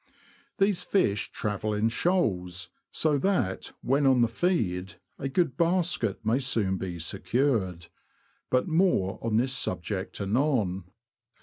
These fish travel in shoals, so that, when on the feed, a good basket may soon be secured : but more on this subject anon.